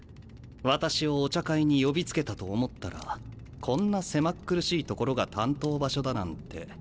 私をお茶会に呼びつけたと思ったらこんな狭っ苦しい所が担当場所だなんて。